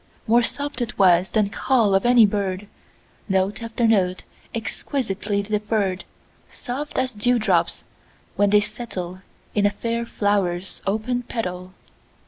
More soft it was than call of any bird, Note after note, exquisitely deferr'd, Soft as dew drops when they settleIn a fair flower's open petal.